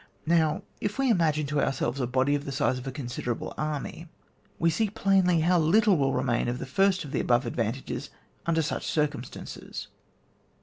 Now, if we imagine to ourselves a body of the size of a considerable army, we see plainly how little will remain of the first of the above advantages under such cirumstances.